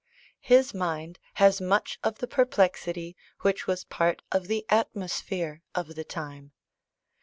His mind has much of the perplexity which was part of the atmosphere of the time.